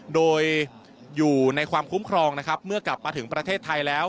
โดยอยู่ในความคุ้มครองนะครับเมื่อกลับมาถึงประเทศไทยแล้ว